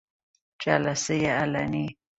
جلسهی علنی